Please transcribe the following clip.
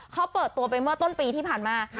เขาเปิดตัวไปเมื่อต้นปีที่ผ่านมา